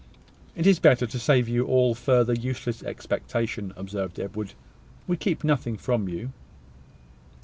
"It is better to save you all further useless expectation," observed Edward. "We keep nothing from you."